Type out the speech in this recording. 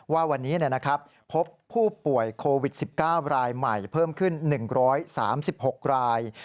ว่าวันนี้พบผู้ป่วยโควิด๑๙รายใหม่เพิ่มขึ้น๑๓๖ราย